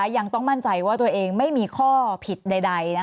ยังต้องมั่นใจว่าตัวเองไม่มีข้อผิดใด